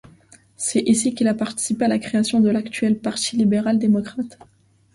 C'est ici qu'il a participé à la création de l'actuel parti libéral démocrate.